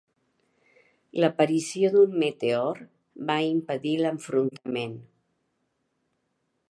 L'aparició d'un meteor va impedir l'enfrontament.